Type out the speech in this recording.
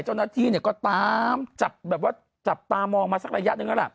เจ้าหน้าที่ก็ตามจับตามองมาสักระยะนึง